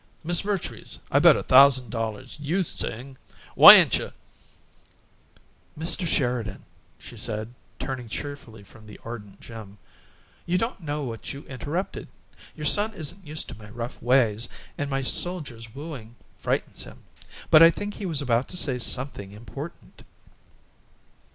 Miss Vertrees, I bet a thousand dollars YOU sing! Why'n't " "Mr. Sheridan," she said, turning cheerfully from the ardent Jim, "you don't know what you interrupted! Your son isn't used to my rough ways, and my soldier's wooing frightens him, but I think he was about to say something important."